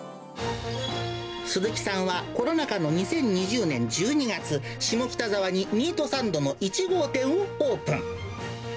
すずきさんは、コロナ禍の２０２０年１２月、下北沢にミートサンドの１号店をオープン。